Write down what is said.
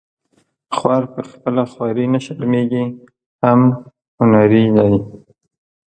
خوار په خپله خواري نه شرمیږي هم هنري دی